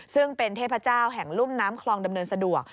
ซึ่งเป็นเทพเจ้าแห่งลุ่มน้ำคลองดำเนินสะดวก